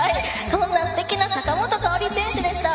そんなすてきな坂本花織選手でした。